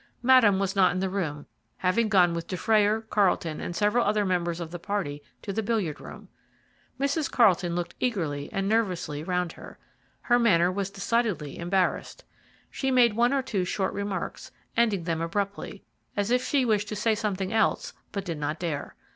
Madame was not in the room, having gone with Dufrayer, Carlton, and several other members of the party to the billiard room. Mrs. Carlton looked eagerly and nervously round her. Her manner was decidedly embarrassed. She made one or two short remarks, ending them abruptly, as if she wished to say something else but did not dare.